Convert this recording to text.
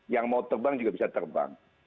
yang mau terbang juga bisa terbang